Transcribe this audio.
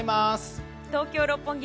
東京・六本木